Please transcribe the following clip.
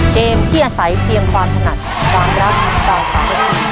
เกมที่อาศัยเพียงความถนัดความรักเราสำเร็จ